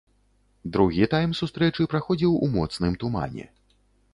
Другі тайм сустрэчы праходзіў у моцным тумане.